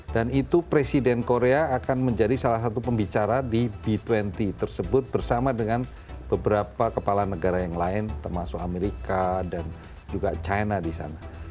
dan itu presiden korea akan menjadi salah satu pembicara di b dua puluh tersebut bersama dengan beberapa kepala negara yang lain termasuk amerika dan juga china di sana